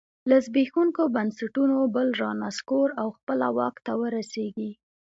له زبېښونکو بنسټونو بل رانسکور او خپله واک ته ورسېږي